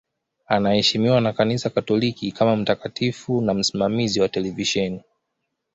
Anaheshimiwa na Kanisa Katoliki kama mtakatifu na msimamizi wa televisheni.